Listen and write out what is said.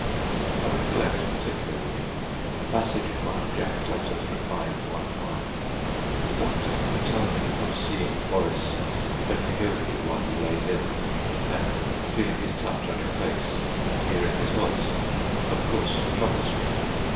I recollect particularly a passage in one of Jack's letters replying to one of mine "What you tell me of seeing Boris bending over you while you lay ill, and feeling his touch on your face, and hearing his voice, of course troubles me.